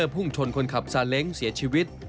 ฟอร์จุนเนอร์พุ่งชนคนขับซาเล้งเสียชีวิต